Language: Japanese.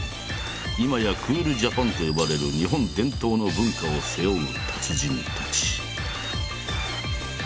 今や「クールジャパン」と呼ばれる日本伝統の文化を背負う達人達。